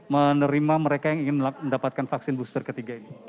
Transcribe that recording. menerima mereka yang ingin mendapatkan vaksin booster ketiga ini